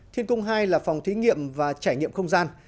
thiên cung hai là phòng thí nghiệm và trải nghiệm không gian